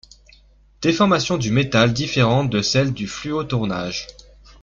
Déformation du métal différente de celle du fluotournage.